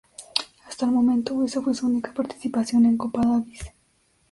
Hasta el momento esa fue su única participación en Copa Davis.